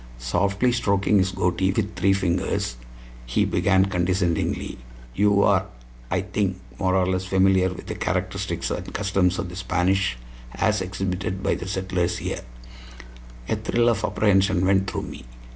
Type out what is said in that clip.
Softly stroking his goatee with three fingers, he began condescendingly: "You are, I think, more or less familiar with the characteristics and customs of the Spanish as exhibited by the settlers here." A thrill of apprehension went through me.